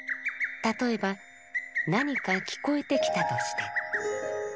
例えば何か聞こえてきたとして。